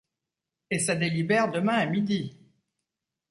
Et ça délibère demain à midi!